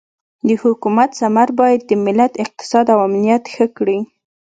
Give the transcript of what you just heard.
د حکومت ثمر باید د ملت اقتصاد او امنیت ښه کړي.